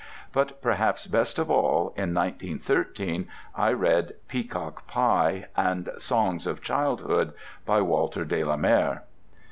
But perhaps best of all, in 1913 I read "Peacock Pie" and "Songs of Childhood," by Walter de la Mare.